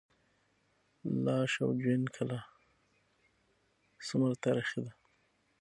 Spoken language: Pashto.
لاش او جوین کلا څومره تاریخي ده؟